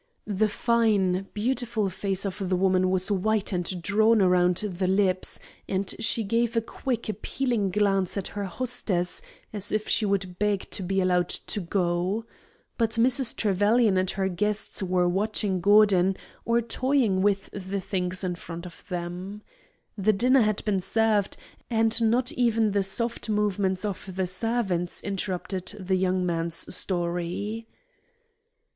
The fine, beautiful face of the woman was white and drawn around the lips, and she gave a quick, appealing glance at her hostess, as if she would beg to be allowed to go. But Mrs. Trevelyan and her guests were watching Gordon or toying with the things in front of them. The dinner had been served, and not even the soft movements of the servants interrupted the young man's story.